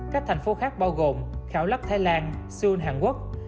các thành phố khác bao gồm khảo lắc thái lan seoul hàn quốc